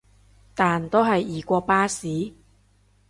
但都係易過巴士